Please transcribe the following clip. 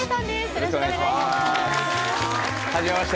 よろしくお願いします